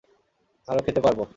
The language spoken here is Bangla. আরও খেতে পারবো।